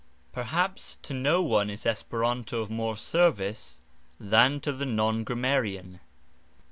Perhaps to no one is Esperanto of more service than to the non grammarian.